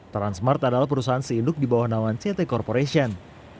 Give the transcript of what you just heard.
transmart adalah perusahaan seinduk di bawah naungan ct corporation